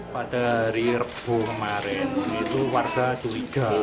pada hari rebuh kemarin itu warga curiga